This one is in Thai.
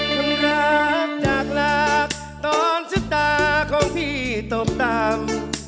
คนรักจากหลากตอนสุดตาของพี่ตบตาม